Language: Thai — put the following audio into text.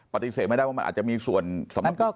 ปฏิเสธไม่ได้ว่ามันอาจจะมีส่วนสำหรับประโยค